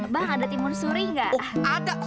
bang ada timun suri enggak ada